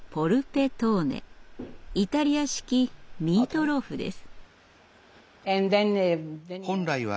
イタリア式ミートローフです。